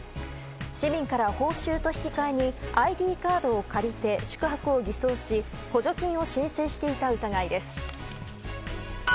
市民から報酬と引き換えに、ＩＤカードを借りて宿泊を偽装し、補助金を申請していた疑いです。